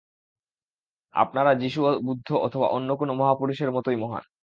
আপনারা যীশু বুদ্ধ অথবা অন্য কোন মহাপুরুষের মতই মহান্।